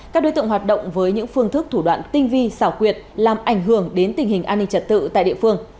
các đối tượng hoạt động với những phương thức thủ đoạn tinh vi xảo quyệt làm ảnh hưởng đến tình hình an ninh trật tự tại địa phương